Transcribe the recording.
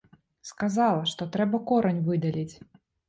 Сказала, што трэба корань выдаліць.